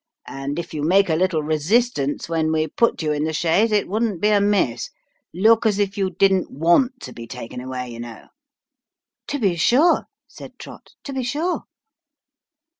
And if you make a little resistance when we put you in the chaise it wouldn't be amiss look as if you didn't want to be taken away, you know." " To be sure," said Trott " to be sure."